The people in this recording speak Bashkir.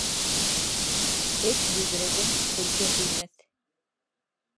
Эт йүгереген төлкө һөймәҫ